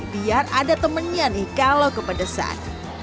biar ada temennya nih kalau kepedesan